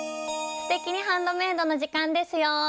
「すてきにハンドメイド」の時間ですよ！